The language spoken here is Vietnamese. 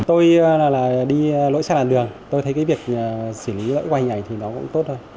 tôi đi lỗi xe làn đường tôi thấy việc xử lý lỗi qua hình ảnh thì nó cũng tốt thôi